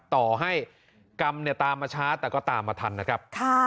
ต่อให้กรรมตามมาช้าแต่ก็ตามมาทันนะครับ